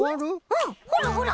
うんほらほら！